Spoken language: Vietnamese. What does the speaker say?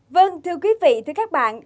vâng thưa quý vị thưa các bạn